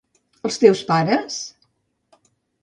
Els teus pares?